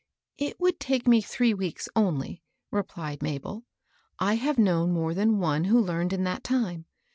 "It would take me three weeks only," replied Mabel. "I have known more than one who learned in that time.